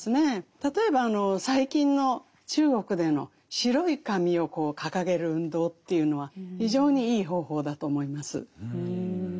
例えば最近の中国での白い紙をこう掲げる運動というのは非常にいい方法だと思います。